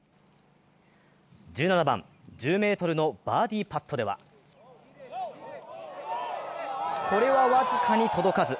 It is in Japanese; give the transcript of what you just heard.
１７番、１０ｍのバーディーパットではこれは僅かに届かず。